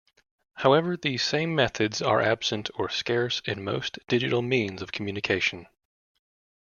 However, these same methods are absent or scarce in most digital means of communication.